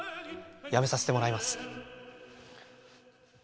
やめさせてもらいます。